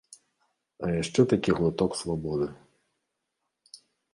А яшчэ такі глыток свабоды.